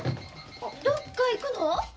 どっか行くの？